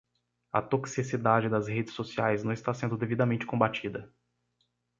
A toxicidade das redes sociais não está sendo devidamente combatida